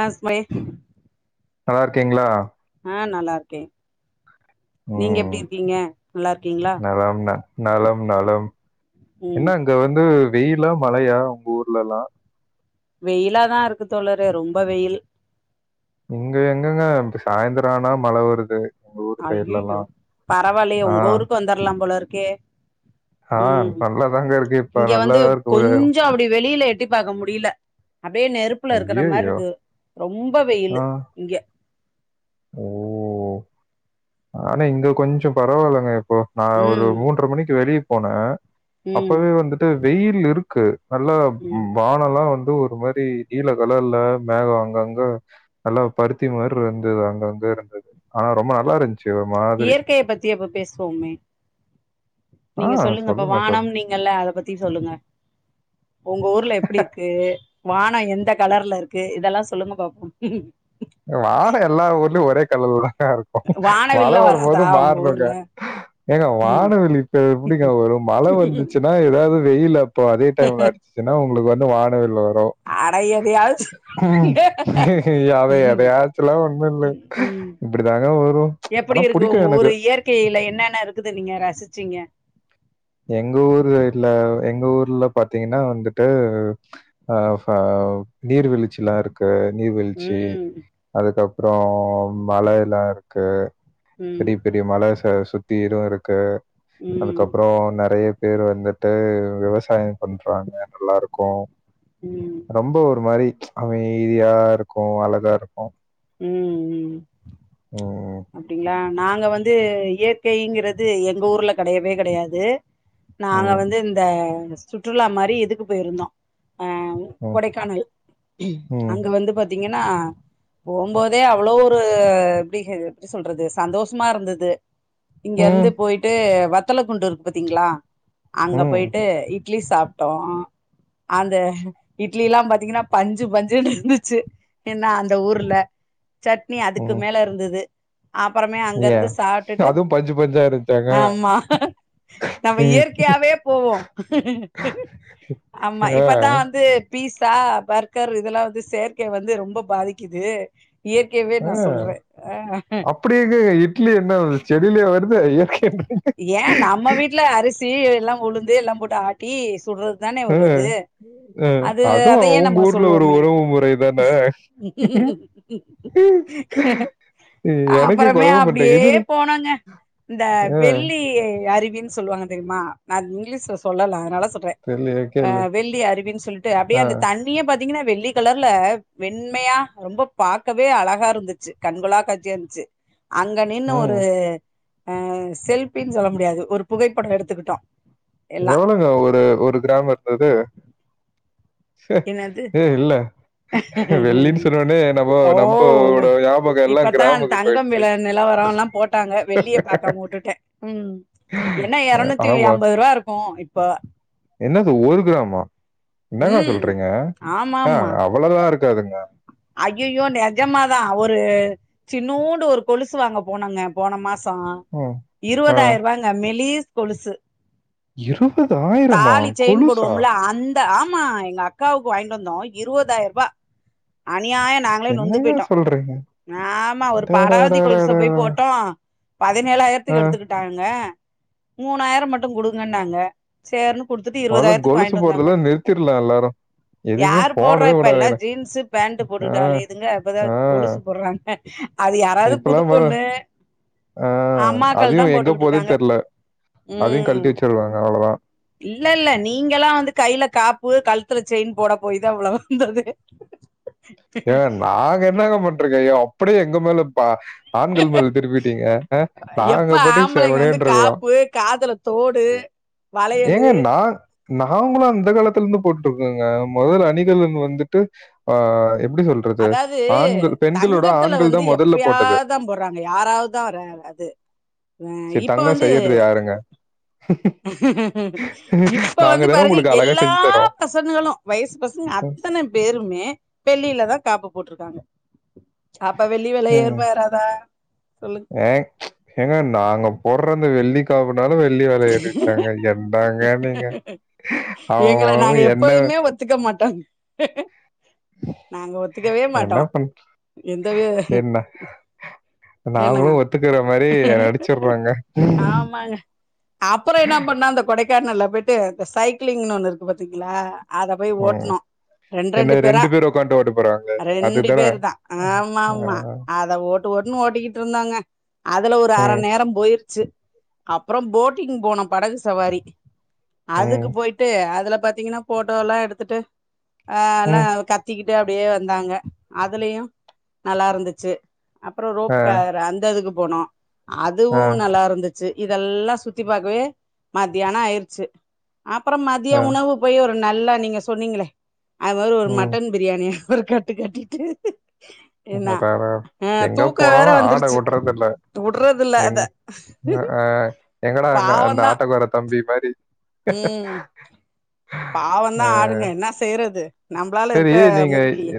ஆ ஸ்மை நல்லா இருக்கீங்களா ஆ நல்லா இருக்கேன் நீங்க ம். எப்படி இருக்கீங்க நல்லா இருக்கீங்களா நலம் ந நலம் நலம் ம் என்ன இங்க வந்து வெயிலா மழையா உங்க ஊர்லலாம் வெயிலாதான் இருக்கு தோழரு ரொம்ப வெயில் இங்க எங்கங்க இப்ப சாயந்தரம் ஆனா மழை வருது ஊர் அஐய்யோ சைட்லலாம். பரவாயில்லையே உங்க ஊருக்கு வந்துடலாம் போல இருக் கே ஆஹ் நல்லாதாங்க இருக்கு இப்ப இங்க வந்து நல்லாதான் இருக்கு உதயம் கொஞ்சம் அப்டி வெளியில எட்டி பாக்க முடியல அப்படியே நெருப்புல இருக்கிற மாரி ஐய்யயோ! இருக்கு ரொம்ப வெயிலு ஆ. இங்க ஓ ஆனா இங்க கொஞ்சம் பரவாயில்லங்க இப்ப நான் ஒரு ம் மூன்ற மணிக்கு வெளிய போனக்க ம் அப்பவே வந்துட்டு வெயில் இருக்கு நல்ல ம் வானம்ல்லாம் வந்து ஒரு மாதிரி நீல கலர்ல மேகம் அங்கங்க நல்லா பருத்தி மாதிரி இருந்தது அங்கங்க இருந்தது ஆனா ரொம்ப நல்லா இருந்து இயற்கையை பத்தி அப்ப பேசுவோமே ஆ நீங்க சொல்லுங்க அப்ப வானம் சொல்லுங்க. நீங்கல்ல அத பத்தி சொல்லுங்க உங்க ஊர்ல எப்படி இருக்குது வானம் எந்த கலர்ல இருக்கு இதெல்லாம் சொல்லுங்க பாப்போம் ம்ஹ் வானோம் எல்லா ஊர்லயும் ஒரே எல்லா இருக்கும் ம்ஹ் மழை வானவில்ல வரும்போது வராதா உங்க மாறணங்க ஊர்ல ஏங்க ம் வானவில் இப்ப எப்படிங்க வரும் மழை வந்துச்சுன்னா எதாவது வெயில் அப் இப்ப அதே டைம்ல அடிச்சுன்னா உங்களுக்கு வானவில் வரும் அட எதையாவது அவன் ம் எதையாச்சுலாம் ஒண்ணும் இல்ல. உம் உம் இப்படிதாங்க வரும். எப்படி ஆனா இருக்கு புடிக்கும் உங்க எனக்கு. ஊரு இயற்கையில என்னென்ன இருக்குது நீங்க ரசிச்சீங்க எங்க ஊரு இல்ல எங்ஊர் எங்க ஊர்ல பாத்தீங்கன்னா வந்துட்டு அஹ் ஹ நீர்வீழ்ச்சி எல்லாம் இருக்கு நீர்வீழ்ச்சி ம் அதுக்கப்புறம் அப்றோ மலை எல்லா இருக்கு ம் பெரி பெரிய மல ஆ சுத்தி ஈரோ இருக்கு ம் அதுக்கப்புறோ நெறைய பேர் வந்துட்டு விவ சாயம் பண்றாங்க நல்லாருக்கு க்கோ ம் ரொம்ப ஒரு மாரி அமைதியா இருக்கு அழகா இருக்கு ம் ம் ம், அப்டிங்களா நாங்க வந்து இயற்கைங்கிறது எங்க ஊர்ல கெடையவே கெடையாது நாங்க ம், வந்து இந்த சுற்றுலா மாரி இதுக்கு போயிருந்தோ ஆ ம், கொடைக்கானல் ம், அங்க வந்து பாத்தீங்கன்னா போம்போதே அவ்ளோ ஒரு எப்டிங்கிறது எப்டி சொல்றது சந்தோஷமா இருந்தது இங்கிருந்து ம், போயிட்டு வத் வெத்தல குண்டு இருக்கு பாத்தீங்களா அங்க ம், போயிட்டு இ இட்லி சாப்ட்டோ அந்த இட்லில்லா பாத்தீங்கன்னா பஞ்சு பஞ்சுன்னு இருந்துச்சு என்ன இந்த ஊர்ல சட்னி அதுக்கு ம். மேல இருந்தது அப்பறமே அங்க இருந்து ஏன்? சாப்ட்டுட்டு அதுவும் பஞ்சு பஞ்சா இருந்துச்சாங்க. ஆமா நம்ம ம். இயற்கையாவே போவோ ஆமா ஆ. இப்பதா வந்து பீட்சா பர்கர் இதெல்லா வந்து செயற்கை வந்து ரொம்ப பாதிக் க்குது ஆ அப்படிங்க இட்லி என்ன செடிலயா வருது இயற்கை [unintelligible] ஏ நம்ம வீட்டுல அரிசி சி எல்லா உளுந்து எல்லா போட்டு ஆட்டி சுட்ரது தானே ஆ, ஒரு இது ஆ. அது அதுவும் அதயே அவங்க நம்ம ஊர்ல ஒரு சொல்லுவோமே உறவு முறை தானே எனக்கே அப்பறமே குழம்பு பண்ணிட்டேங்க அப்டியே இது போனோன்ங்க இந்த ஆ, வெள்ளி அரு வின் சொல்வாங்க தெரிமா நா இங்லிஷ்ல சொல்லல அதுனால சொல்றே தெரியலையே ஆ கேளு வெள்ளி அருவின் சொல்ட்டு அப்டியே ஆ, அந்த தண்ணியே பாத் தீங்கனா வெள்ளி கலர்ல வெண்மையா ரொம்ப பாக்கவே அழகா இருந்துச்சு கண்கொள்ளா காட்சியா இருந்ச்சு அங்க நின்னு ம். ஒரு ஆ செல்பின் சொல்ல முடியாது ஒரு புகைப்பட எடுத்துக்கிட்டோ எல்லா எவ்ளோங்க ஒரு ஒரு கிராம் இருந்தது என்னது ஏ இல்ல வெள்ளின்னு சொன்னோடனே நம்ம ஓ நம்மளோட ஞாபகம் எல்லாம் இப்பத்தா கிராமுக்கு தங்கம் போயிடுச்சு வில நெலவரொல்லா போட்டாங்க வெள்ளிய பாக்காம வுட்டுட்டேம் என்ன ஆ, எரநூத்தி ஆமா அம்பதுருபா இருக் க்கு இப்ப என்னது ஒரு கிராமா என்னங்க ம் சொல்றீங்க ஆ, ஆமாமா அவ்வளவுதான் இருக்காதுங்க ஐய்யயோ நெஜமாதா ஒரு சின்னூண்டு ஒரு கொலுசு வாங்க போனொங்க போன மாச சொ ம். ஆ, இருவதாயிருவாங்க மெலீஸ் கொலுசு இருபதாயிரமா கொலுசா? த ஆமா எங்கக்காவுக்கு வாங்கிட்டு வந்தோ இருவதாயருபா ஆ நியாய நாங்களே நொந்து என்னங்க போய்ட்டோ சொல்றீங்க ஆமா ஒரு பாடாவ்தி கொலுச டேடேடேடேடே. போய் போட்டோ ஆ, பதினேழாயிரத்துக்கு எடுத்துக்கிட்டாங்க மூணாயிர மட்டு குடுங்கன்னாங்க சேர்னு மொத கொலுசு போட்றத நிறு யார் போட்றா இப்ப எல்லா விடாதுங்கடா. ஜீன்ஸு பேண்ட்டு ஆ, போட்டுட்டு அலையுதுங்க இப்பதா ஆ. கொலுசு போட்றாங் க அது யாராவ்து புது இப்பலாம் பாரு பொண்ணு ஆ, அம்மாக்கள் தா அதையும் எங்க போகுதுன்னு போட்டுகிட்ருக்காங்க தெரியல. அதையும் ம் கழட்டி வச்சுருவாங்க. அவ்வளவுதான். இல்லல்ல நீங்கலா வந்து கைல காப்பு கழுத்துல செயின் போட போய்தா இவ்ள வந்ததே ஏங்க நாங்க என்னங்க பண்ட்ருக்கோ ய அப்புடியே எங்க மேல [unintelligible] ஆண்கள் மேல திருப்பிட்டீங்க அ எப்ப நாங்க பாட்டுக் ஆம்பளைங்க வந்து செவனேன்ருக்குறோ காப்பு காதுல தோடு ஏங்க வளையலு நா நாங்களு அந்த காலத்துலந்து போட்டுக்கோங்க மொதல் அணிகலன் வந்துட்டு ஆ எப்படி சொல்றது? அதாவ்து ஆண்கள் பெண்களோட தங்கத்துல ஆண்கள் வந்து தான் முதல்ல போட்டது. எப்பயாதா போட்றாங்க யாராவ்தா ரேர் அது ஆ சரி இப்ப தங்கம் வந்து செய்யறது யாருங்க? இப்ப நாங்க வந்து தானே உங்களுக்கு பாருங்க அழகா எல்லா செஞ்சு தரோம். பசங்களு‌ வயசு பசங்க அத்தன பேருமே வெள்ளிலதா கேப்பு போட்டுருக்காங்க அப்ப வெள்ளி வெல ஏறுமுமா ஏறாதா சொல்லு ங்க போற அந்த வெள்ளி காப் ன்னால வெள்ளி வெல ஏறிச்சாங்க என்டாங்க நீங்க அவன் எங்கள நாங்க அவன் என்ன எப்போதுமே ஒத்துக்க மாட்டோங் நாங்க ஒத்துக்கவே என்ன மாட்டோ பண் எந்த வி சரிண்ணா என்னா நாங்களும் ஒத்துக்கிற மாரி நடிச்சிடுறோங்க. ஆமாங்க அப்புறோ என்ன பண்ணா அந்த கொடைக் க்கானல்லா போயிட்டு இந்த சைக்களிங்னு ஒன்னு இருக்கு பாத்தீங்களா அத போய் ம். ஓட்னோ ரெண்டு என்ன ரெண்டு பேரா பேர் உட்காந்துட்டு ஓட்டு போறாங்க. ரெண்டு அதுதானே? பேருதா ஆமாமா ஆ. அத ஓட்டு ஓட்டுனு ஓட்டுக்கிட்டுரு ன்தோங்க அதுல ஒரு அர ம். நேர போய்ரு ச்சி அப்புறோ போட்டிங் போனோ படகு சவாரி அதுக்கு ம். போய்ட்டு அதுல பாத்தீங்கனா ஃபோட்டோலா எடுத்துட்டு ஆ எல்லா ம். கத் கிட்டு அப்பிடியே வந்தாங்க அதிலியு நல்லாருந்துச்சி அப்புறோ ஆ. ரோப்கர அந்த இதுக்கு போனோ அதுவு ஆ. நல்லாருந்துச்சி இதெல்லா சுத்தி பாக்கவே மத்தியானோ ஆயிரிச்சி அப்புறோ மதிய ஆ. உணவு போய் ஒரு நல்லா நீங்க சொன்னீங்களே அது மாரி ஒரு ம். மட் நீ ஒரு கட்டு கட்டிட்டு என்ன அடடார ஆ எங்க தூக்க வேற போனாலு ஆட வந்துருச்சு உடறதுல்ல உடுறது இல்ல எங் அத அ எங்கட அங்க அந்த பாவந்தா ஆட்டோக்கார தம்பி ஆ. ம் பாவதா ஆடுங்க என்ன செய்றது நம்பளால சேரி இருக்க நீங்க முடிலியே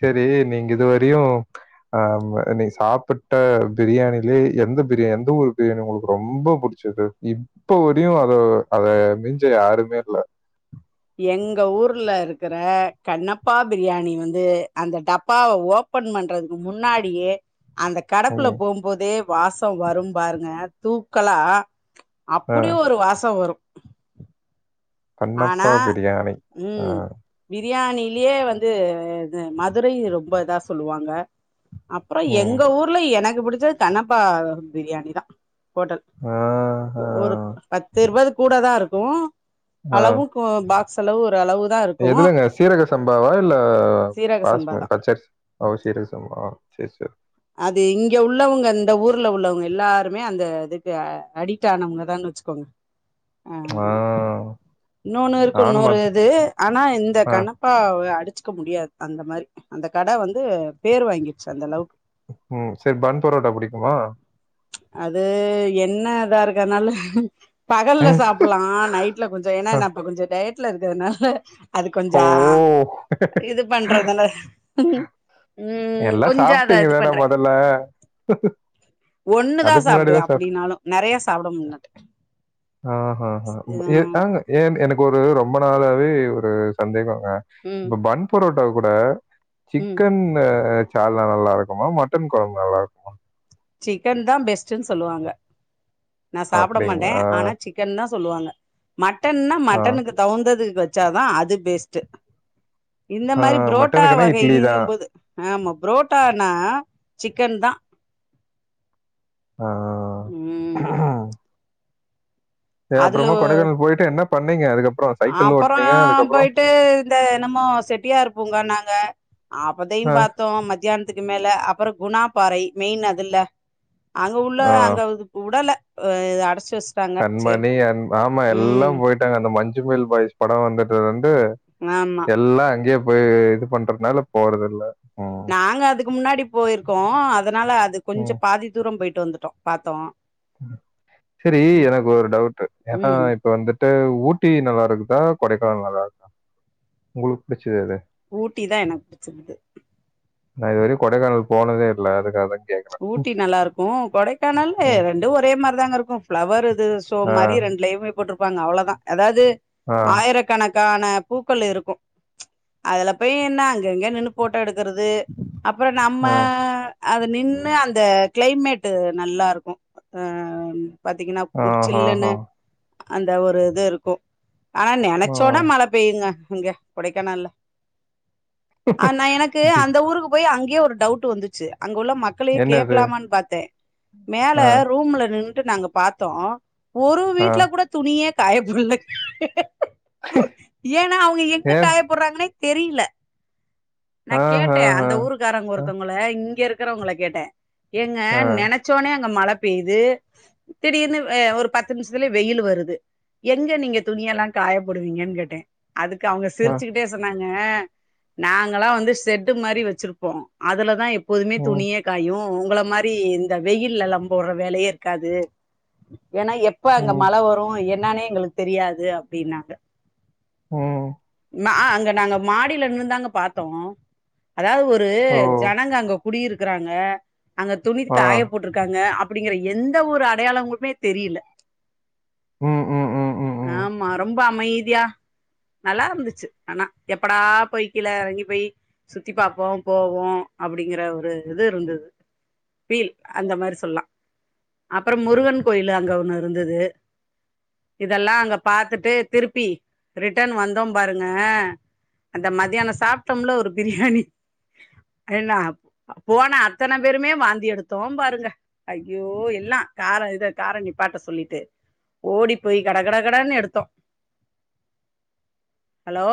சேரி நீங்க இதுவரையு ஆ வ நீ சாப்புட்ட பிரியாணிலே எந்த பிரியாண் எந்த ஊரு பிரியாணி ஒங்களுக்கு ரொம்ப புடிச்சது இப்ப வரையு அத அத மிஞ்ச யாருமே இல்ல எங்க ஊர்ல இருக்கற கண்ணப்பா பிரியாணி வந்து அந்த டப்பாவ ஓபன் பண்றதுக்கு முன்னாடியே அந்த கடக்குல ம். போகும்போதே வாசம் வரும் பாருங்க தூக்கலா ஆ. அப்புடி ஒரு வாசம் வரும் கண்ணப்பா பிரியாணி ஆஹ் பிரியாணியிலே வந்து மதுரை ரொம்ப இதா சொல்லுவாங்க அப்பறம் ம். எங்க ஊர்ல எனக் எனக்கு புடிச்சது கண்ணப்பா பிரியாணி தா ஹோட்டல் ஆஹ. ஒரு பத்து இருவது கூட இருந்தாலும் ஓ ஆ. அளவு கோ பா செலவு ஒரு அளவு தான் இருக்கும் எதுலங்க சீரக சம்பாவா இல்ல சீரக சம்பா பாஸ்மதி தான் பச்சரி சீரக சம்பாவா சரி ச அது இங்க உள்ளவங்க இந்த ஊர்ல உள்ளவங்க எல்லாருமே அந்த இதுக்கு அடிக்ட் ஆனவங்கதான் வச்சுக்கோங்க ஆ. ஆஹ் இன்னொன்னு நானும் இருக்கும்ன்னூறு மத்த இது ஆனா இந்த ஆ. கண்ணப்பா அடிச்சு இருக்க முடியாது அந்த மாதிரி அந்த கடை வந்து பேர் வாங்கிருடுச்சு அந்த அளவுக்கு ம் செரி பன் பரோட்டா புடிக்குமா அது என்ன இதா இருக்கனால அ. பகல்லல சாப்பிடலாம் நைட்ல கொஞ்சம் அ. ஏன்னான இப்ப கொஞ்சம் டயட் ல இருக்கதுனால அது கொஞ்சம் ஓ! இது பண்றதுனால ம் எல்லாம் கொஞ்சம் அத இது சாப்பிட்டீங்கதானே பண்றேன் முதல்ல ஒண்ணுதான் அதுக்கு முன்னாடி சாப்பிடுவேன் தான் சாப்பிட்டேன் அப்படின்னாலும் நிறைய சாப்பிட முடியல ஆஹ் ஆஹ்ஹ ம் அங்க ஏ என் எனக்கு ஒரு ரொம்ப நாளாவே ஒரு சந்தேகம் ம் இப்ப பன் பரோட்டாவ கூட ம் சிக்கன் சால்னா நல்லா இருக்குமா மட்டன் கொழம்பு நல்லா இருக்குமா சிக்கன் தான் பெஸ்ட்னு சொல்லுவாங்க நா சாப்புட மாட்டேன் அப்படிங்களா ஆனா சிக்கன் தான் சொல்லுவாங்க மட்டன்னா ஆ, மட்டனுக்கு தவுந்தது வ வச்சாதான் அது பேஸ்ட்டு இந்த ஆ, மாதிரி புரோட்டா மட்டனுக்குன்னா இட்லி தான் வகைகிம் போது ஆமா புரோட்டானா சிக்கன் தான் ஆ. ம் சே அதுல அப்புறமா கொடைக்கானல் போயிட்டு என்ன பண்ணீங்க அதுக்கப் அப்பறோ போயிட்டு இந்த என்னமோ செட்டியார் பூங்கான்னாங் க அப்பதையும் ஆ, பாத்தோம் மதியானத்துக்கு மேல் அப்பற குணா பாறை மெயின் அதுல அனு உள்ள ஆ, அங்க உடல ஓ இத அடச் கண்மணி அன்பு ஆமா எல்லா ம் போயிட்டாங்க அந்த மஞ்சு சுமல் பாய்ஸ் படம் வந்ததுல இருந் து ஆமா எல்லா அங்கேயே போய் இது பண்றதுனால போறதுல்ல நாங்க அதுக்கு முன்னாடி போயிருக்கோம் அதுனால அது கொஞ்ச ம். பாதி தூரம் போயிட்டு வந்து டோம் பாத்தோம் சரி எனக்கு ஒரு டவுட் ஏன்னா ம் இப்ப வந்துட்டு ஊ ஊட்டி நல்லாருக்குதா கொடைக்கானல் நல்லாருக்குதா உங்களுக்கு புடிச் ஊட்டி தான் எனக்கு புடிச்சிருந்தது நா இதுவரயு கொடைக்கானல் போனதே இல்ல அதுக்காக கேட் ஊட்டி நல்லாருக்கும் கொடைக்கானல்லு ம். ரெண்டும் ஒரே மாரிதாங்க இருக் கும் ஃபிளவரு து சோ ஆ, மாரி ரெண்டுலயுமே போட்டுருக் இருப்பாங்க அவ்வளதா அதாவது ஆ, ஆயிரக்கணக்கு ஆயிரக்கணக்கான பூக்கள் இருக்கு அதுல போய் என்ன அங்கங்க நின்னு போட்டோ எடு எடுக்குறது அப்றோ நம்ம ஆ, அது நின் அந்த கிளைமேட் நல்லா இருக்கு அ பாத்தீங்கனா ப்ரூட் சில்லுன்னு ஆஹஹா! அந்த ஒரு இது இருக்கு ஆனா ஆ. நெனச்சோனே மழ பெய்யுங்க இங்க கொடைக்கானல ஆ நா எனக்கு இது அந்த ஊருக்கு போய் அங்க எனக்கே ஒரு டவுட் வந்துச்சு அங்க உள்ள மக்களயே என்னது? கேட்கலாமானு பாத்தே மேல ஆ, ரூம்ல நின்னு நாங்க பாத்தோ ஒரு ஆ. வீட்ல கூட துணியே காய போடல ஏன்னா அவுங்க எங்க ஏன்? காயப்போடுறாங்கனே தெரியல்ல நா ஆஹஹா! கேட்டே அந்த ஊருக்காரங்க அ, ஒருத்தவங்கள இங்க இருக்க இருக்குறவங்ள கேட்டே எங்க ஆ, நெனச்சோனே அங்க மழ பெய்து திடீர்னு ஒரு பத்து நிமிஷத்ல வெயிலு வருது எங்க நீங்க துணிய எல்லா காயப்போடுவீங்கன்னு கேட்டே அதுக்கு அவுங்க ஆ. சிரிச்சுக்கிட்டே சொன்னாங்க ங்க நாங்களா வந்து செட்டு மாரி வச்சிருப்போ அதுலதா எப்போ போதுமே ம், துணிய உங்கள மாரி இந்த வெயில்ல எல்லா போடுற வேலயே இருக்காது ஏன்னா எப்ப அங்க ம், மழ வரு என்னானே எங்களுக்கு தெரியாது அப்டின்னாங்க உம் நா அங்க நாங்க மாடியில இருந்துதாங்க பாத்தோ அதாவது ஒரு ஓ! ஜனங்க அங்க குடியிருக்க இருக்குறாங்க அங்க துணி ஆ. காய போட்ருக்காங்க அப்டிங்கிற எந்த ஒரு அடையாளங்களுமே தெரியல ம், ம், ம், ம், ம். ஆமா ரொம்ப ரொம்ப அமைதியா நல்லா இருந்துச்சு ஆனா எப்படா போய் கீழ எறங்கி போய் சுத்தி பாப்போ போவோ அப்டிங்கிற ஒரு இருந்தது ஃபீல் அந்த மாரி சொல்லலா அப்றோ முருகன் கோயில் அங்க ஒன்னு இருந்தது இதெல்லா அங்க பாத்துட்டு திருப்பி ரிட்டன் வந்தோ பாருங்க அந்த மதியானோ சாப்ட்டோம்ல ஒரு பிரியாணி என்னா அ போனா அத்தன பேருமே வாந்தி எடுத்தோ பாருங்க அய்யோ எல்லா கார இத கார நிப்பாட்ட சொல்லிட்டு ஓடி போய் கட கட கடன்னு எடுத்தோ ஹலோ